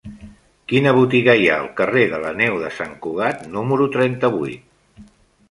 Quina botiga hi ha al carrer de la Neu de Sant Cugat número trenta-vuit?